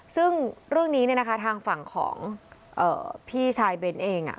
ซึ่งเรื่องนี้เนี้ยนะคะทางฝั่งของเอ่อพี่ชายเบ้นเองอะ